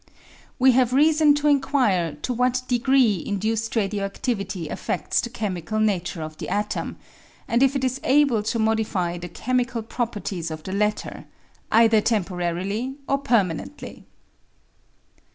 We have reason to enquire to what degree induced radio adivity affeds the chemical nature of the atom, and if it is able to modify the chemical properties of the latter, either temporarily or permanently.